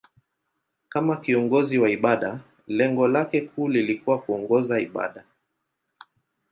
Kama kiongozi wa ibada, lengo lake kuu lilikuwa kuongoza ibada.